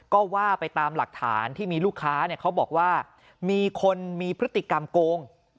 ก็ว่าไปตามหลักฐานที่มีลูกค้าเขาบอกว่ามีคนมีพฤติกรรมโกง